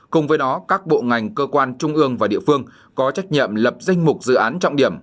cùng với đó các bộ ngành cơ quan trung ương và địa phương có trách nhiệm lập danh mục dự án trọng điểm